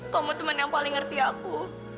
kamu temen yang paling ngerti aku